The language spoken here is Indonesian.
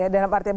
dalam arti apa